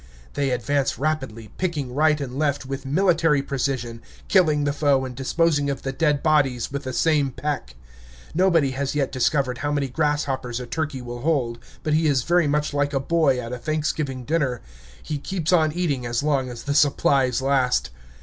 They advance rapidly, picking right and left, with military precision, killing the foe and disposing of the dead bodies with the same peck. Nobody has yet discovered how many grasshoppers a turkey will hold; but he is very much like a boy at a Thanksgiving dinner, he keeps on eating as long as the supplies last.